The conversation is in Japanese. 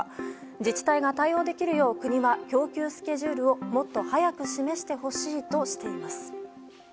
自治体が対応できるよう国は供給スケジュールをもっと早く示してほしいとしています。